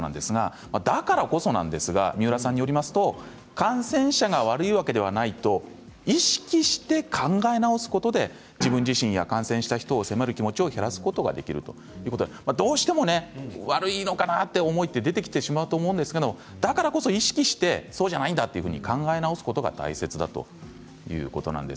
だからこそなんですが皆さんによりますと感染者が悪いわけではないという意識して考え直すことで自分自身や感染した人を責める気持ちを減らすことができるどうしても悪いのかなという思いは出てきてしまうと思うんですけどだからこそ意識してそうじゃないんだと考え直すことが大切だということなんです。